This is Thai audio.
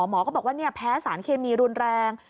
หมอก็บอกว่าแพ้สารเคมีรุนแรง